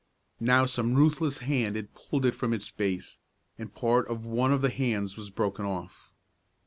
Now some ruthless hand had pulled it from its base, and part of one of the hands was broken off.